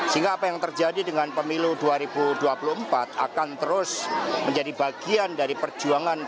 sehingga apa yang terjadi dengan pemilu dua ribu dua puluh empat akan terus menjadi bagian dari perjuangan